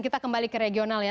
kita kembali ke regional ya